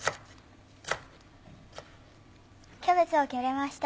キャベツを切りました。